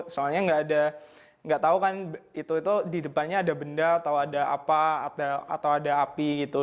soalnya nggak ada nggak tahu kan itu di depannya ada benda atau ada apa atau ada api gitu